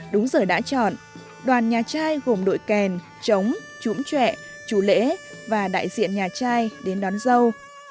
đúng giờ đã chọn đoàn nhà trai gồm đội kèn trống trũng chạy chú lễ và đại diện nhà trai đến đón dâu